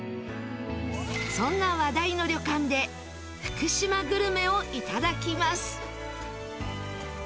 そんな話題の旅館で福島グルメをいただきます。